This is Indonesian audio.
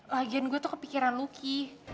lagian gue tuh kepikiran lucky